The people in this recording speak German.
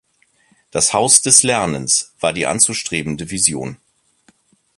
Das Haus des Lernens war die anzustrebende Vision.